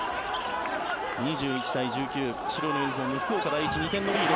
２１対１９白のユニホーム、福岡第一２点のリード。